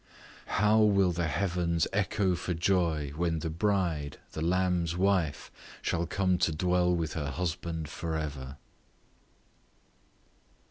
How will the heavens echo for joy, when the bride, the Lamb's wife, shall come to dwell with her husband for ever!